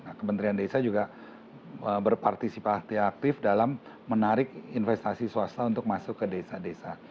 nah kementerian desa juga berpartisipasi aktif dalam menarik investasi swasta untuk masuk ke desa desa